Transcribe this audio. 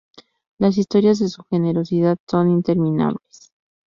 Las historias de su generosidad son interminables.